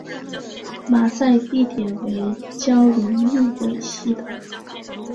马赛地铁为胶轮路轨系统。